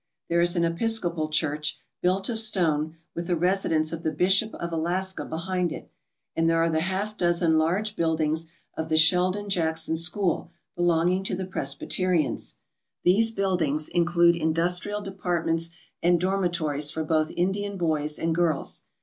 There is an Episcopal church, built of stone, with the residence of the Bishop of Alaska behind it, and there are the half dozen large buildings of the Sheldon Jackson School belonging to the Presbyter ians. These buildings include industrial departments and dormitories for both Indian boys and girls.